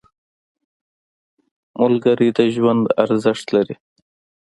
• ملګری د ژوند ارزښت لري.